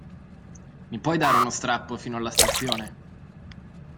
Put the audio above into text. Mi puoi dare uno strappo fino alla stazione?